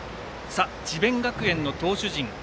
智弁学園の投手陣。